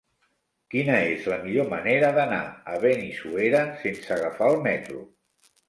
Quina és la millor manera d'anar a Benissuera sense agafar el metro?